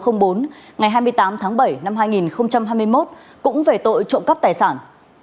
ngày hai mươi tám tháng bảy năm hai nghìn hai mươi một cũng về tội trộm cắp tài sản